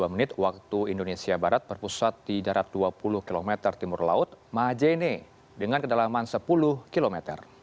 dua puluh menit waktu indonesia barat berpusat di darat dua puluh km timur laut majene dengan kedalaman sepuluh km